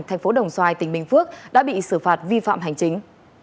thành phố đồng xoài tỉnh bình phước đã bị xử phạt vi phạm hành chính